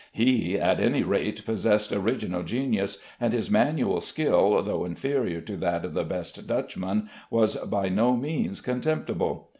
He at any rate possessed original genius, and his manual skill, though inferior to that of the best Dutchmen, was by no means contemptible.